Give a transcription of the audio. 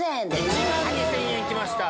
１万２０００円きました！